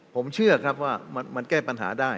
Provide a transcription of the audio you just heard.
ผมเชื่อครับว่ามันแก้ปัญหาได้